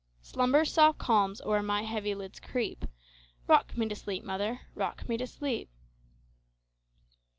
Slumber's soft calms o'er my heavy lids creep;—Rock me to sleep, mother,—rock me to sleep!